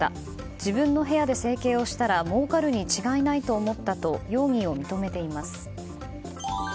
自分の部屋で整形をしたらもうかるに違いないと思ったと容疑を認めています。